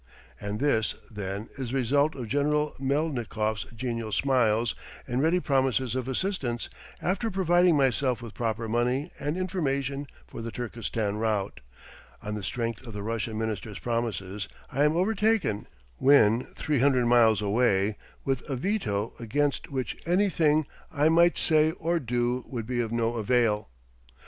And this, then, is the result of General Melnikoff's genial smiles and ready promises of assistance; after providing myself with proper money and information for the Turkestan route, on the strength of the Russian Minister's promises, I am overtaken, when three hundred miles away, with a veto against which anything I might say or do would be of no avail!